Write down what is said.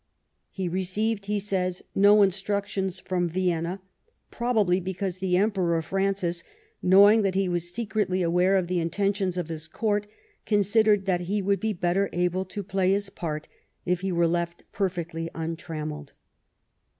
He received, TEE EMBASSY TO PABIS. 43 he says, "no instructions from Vienna," probably because the Emperor Francis, knowing that he was secretly aware of the intentions of his Court, considered that he would be better able to play his part if he were left perfectly untrammelled.